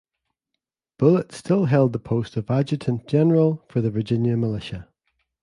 Bullitt still held the post of Adjutant General for the Virginia militia.